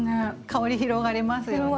香り広がりますよね。